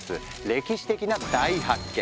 歴史的な大発見！